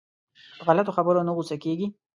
په غلطو خبرو نه غوسه کېږي.